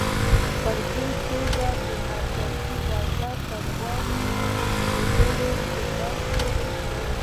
په دې توګه یې د مرکزي دولت د واک په ټینګولو لاس پورې کړ.